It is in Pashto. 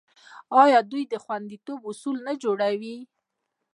آیا دوی د خوندیتوب اصول نه جوړوي؟